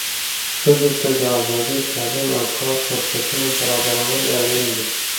ښځو ته د آزادۍ، تعلیم او کار فرصتونه برابرول اړین دي.